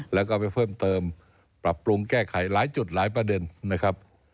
แล้วก็ไปเพิ่มเติมปรับปรุงแก้ไขหลายจุดหลายประเด็นนะครับ